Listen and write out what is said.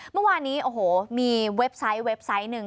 เมื่อวานนี้โอ้โหมีเว็บไซต์เว็บไซต์หนึ่ง